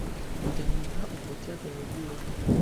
viatamini A hupotea kwenye jua